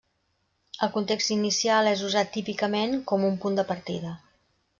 El context inicial és usat típicament com un punt de partida.